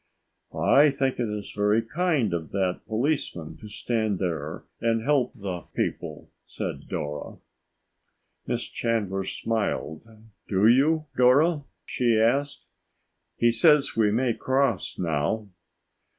"I think it is very kind of that policeman to stand there and help the people," said Dora. Miss Chandler smiled. "Do you, Dora?" she asked. "He says we may cross now."